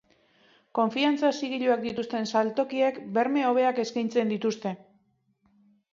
Konfiantza zigiluak dituzten saltokiek berme hobeak eskaintzen dituzte.